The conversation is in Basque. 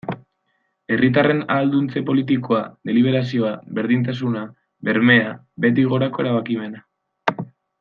Herritarren ahalduntze politikoa, deliberazioa, berdintasuna, bermea, behetik gorako erabakimena...